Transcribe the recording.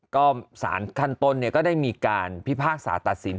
ก็ศาลทางตนเนี่ยก็ได้มีการพิพากษาตัดสิน